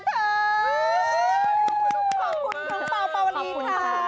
ขอบคุณคุณปาวปาวาลีค่ะ